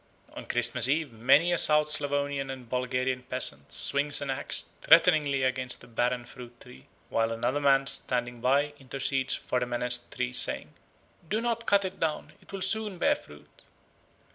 On Christmas Eve many a South Slavonian and Bulgarian peasant swings an axe threateningly against a barren fruit tree, while another man standing by intercedes for the menaced tree, saying, "Do not cut it down; it will soon bear fruit."